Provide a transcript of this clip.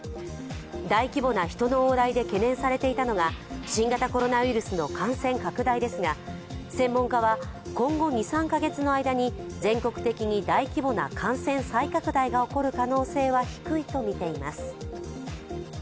大規模な人の往来で懸念されていたのが新型コロナウイルスの感染拡大ですが、専門家は、今後２３か月の間に全国的に大規模な感染再拡大が起こる可能性は低いとみています。